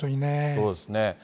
そうですね。